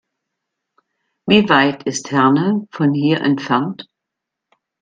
Wie weit ist Herne von hier entfernt?